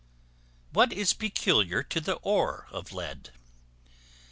What is peculiar to the ore of Lead?